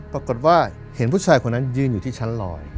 ปรากฏว่าเห็นผู้ชายคนนั้นยืนอยู่ที่ชั้นลอย